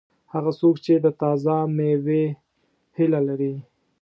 هغه څوک چې د تازه مېوې هیله لري.